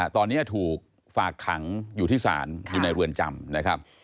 ตอนนี้ถูกฝากขังอยู่ที่ศาลอยู่ในเรือนจำนะครับ